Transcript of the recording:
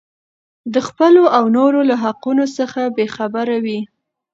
د خپلو او نورو له حقونو څخه بې خبره وي.